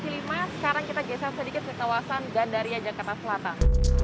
kami sudah mencari lima sekarang kita geser sedikit ke tawasan gandaria jakarta selatan